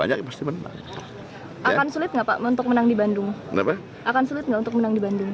akan sulit nggak untuk menang di bandung